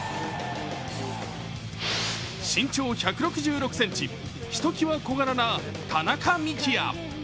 身長１６６ｃｍ、ひときわ小柄な田中幹也。